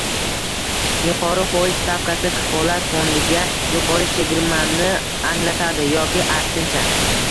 Yuqori foiz stavkasi kafolat fondiga yuqori chegirmani anglatadi yoki aksincha